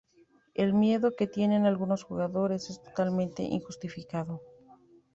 El miedo que tienen algunos jugadores es totalmente injustificado.